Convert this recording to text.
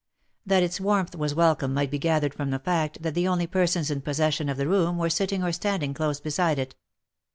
That its warmth •was welcome might be gathered from the fact, that the only persons in possession of the room were sitting or standing close beside it.